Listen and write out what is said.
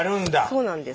そうなんです。